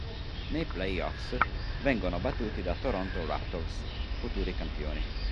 Nei Playoffs vengono battuti da Toronto Raptors futuri campioni.